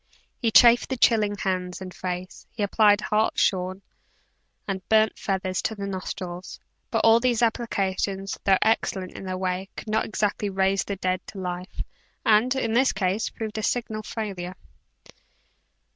He chafed the chilling hands and face, he applied hartshorn and burnt feathers to the nostrils, but all these applications, though excellent in their way, could not exactly raise the dead to life, and, in this case, proved a signal failure.